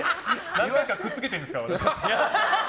何回かくっつけてるんですから、私。